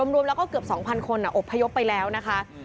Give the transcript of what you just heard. รวมแล้วก็เกือบ๒๐๐คนอบพยพไปแล้วนะคะ